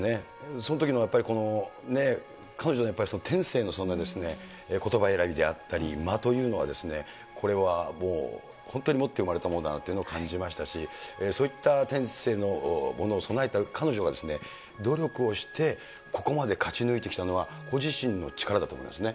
そのときのやっぱり、彼女の天性のことば選びであったり間というのは、これはもう、本当に持って生まれたものだなと感じましたし、そういった天性のものを備えた彼女が、努力をしてここまで勝ち抜いてきたのは、ご自身の力だと思いますね。